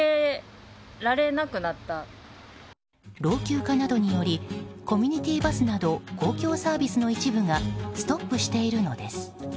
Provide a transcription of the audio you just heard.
老朽化などによりコミュニティーバスなど公共サービスの一部がストップしているのです。